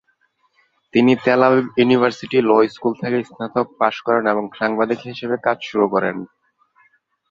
তিনি Tel Aviv University law school থেকে স্নাতক পাশ করেন এবং সাংবাদিক হিসেবে কাজ শুরু করেন।